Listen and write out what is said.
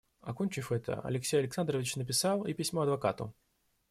Окончив это, Алексей Александрович написал и письмо адвокату.